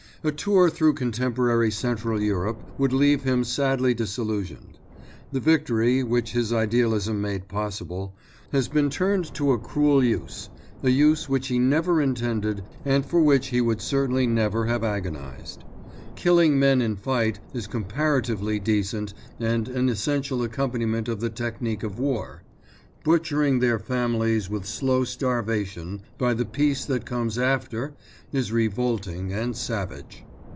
A tour through contemporary Central Europe would leave him sadly disillusionized. The victory, which his idealism made possible, has been turned to a cruel use—a use which he never intended and for which he would certainly never have agonised. Killing men in fight is comparatively decent and an essential accompaniment of the technique of war; butchering their families with slow starvation by the Peace that comes after is revolting and savage.